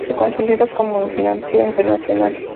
Se consolida como financiero internacional.